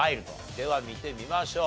では見てみましょう。